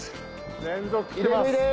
連続来てます。